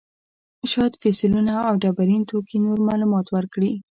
شاید فسیلونه او ډبرین توکي نور معلومات ورکړي.